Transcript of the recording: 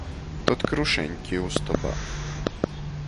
Tod krušeņki ustobā!